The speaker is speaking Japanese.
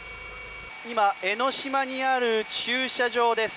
江の島にある駐車場です。